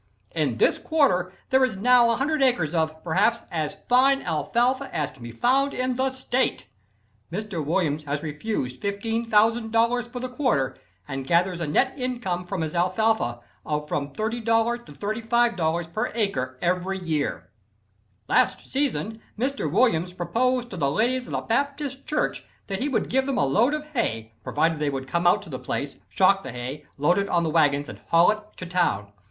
On this quarter there is now 100 acres of, perhaps, as fine alfalfa as can be found in the state. Mr. Williams has refused $15,000 for the quarter and gathers a net income from his alfalfa of from $30 to $35 per acre every year. "Last season Mr. Williams proposed to the ladies of the Baptist church that he would give them a load of hay, provided they would come out to the place, shock the hay, load it on wagons and haul it to town.